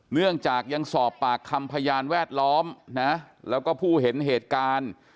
เนื่องจากยังสอบปากคำพยานแวดล้อมนะแล้วก็ผู้เห็นเหตุการณ์